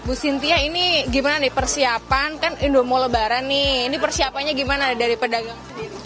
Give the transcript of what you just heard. bu sintia ini gimana nih persiapan kan indomolo baran nih ini persiapannya gimana dari pedagang